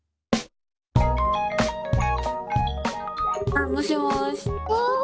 あもしもし。